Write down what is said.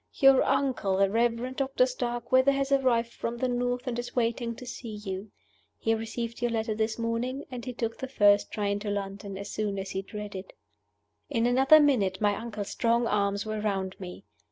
"Your uncle, the Reverend Doctor Starkweather, has arrived from the North, and is waiting to see you. He received your letter this morning, and he took the first train to London as soon as he had read it." In another minute my uncle's strong arms were round me.